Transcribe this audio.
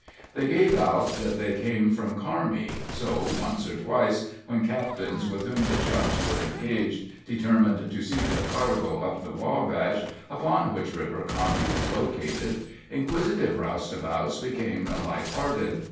They gave out that they came from Carmi, so, once or twice, when captains with whom the Chums were engaged determined to seek a cargo up the Wabash, upon which river Carmi was located, inquisitive roustabouts became light hearted.